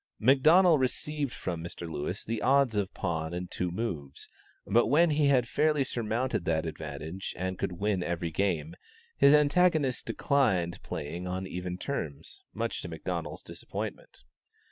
McDonnell received from Mr. Lewis the odds of Pawn and Two Moves, but when he had fairly surmounted that advantage and could win every game, his antagonist declined playing on even terms, much to McDonnell's disappointment.